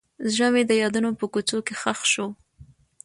زړه مې د یادونو په کوڅو کې ښخ شو.